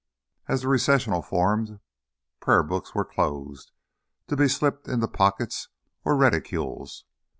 As the recessional formed, prayer books were closed to be slipped into pockets or reticules.